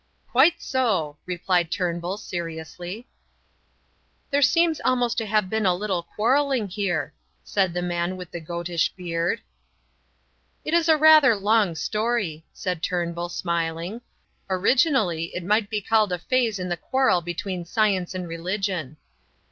"Quite so," replied Turnbull, seriously. "There seems almost to have been a little quarrelling here," said the man with the goatish beard. "It is rather a long story," said Turnbull, smiling. "Originally, it might be called a phase in the quarrel between science and religion."